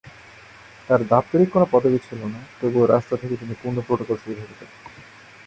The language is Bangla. তার দাপ্তরিক কোন পদবী ছিলো না, তবুও রাষ্ট্র থেকে তিনি পূর্ণ প্রোটোকল সুবিধা পেতেন।